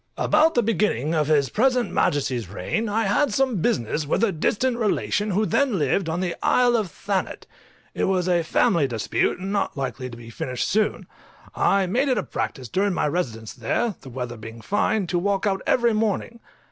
_ About the beginning of his present Majesty's reign I had some business with a distant relation who then lived on the Isle of Thanet; it was a family dispute, and not likely to be finished soon. I made it a practice during my residence there, the weather being fine, to walk out every morning.